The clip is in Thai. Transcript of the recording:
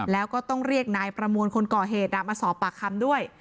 แล้วก็ต้องเรียกนายประมวลคนก่อเหตุมาสอบปากคำด้วย